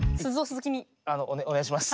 あのお願いします。